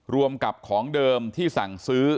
รวมกับของเดิมที่สั่งซื้อ